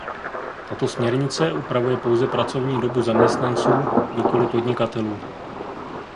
Tato směrnice upravuje pouze pracovní dobu zaměstnanců, nikoli podnikatelů.